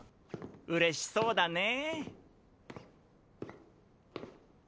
うれしそうだねぇ。